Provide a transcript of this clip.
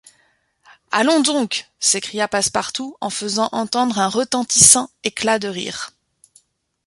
Allons donc! s’écria Passepartout en faisant entendre un retentissant éclat de rire !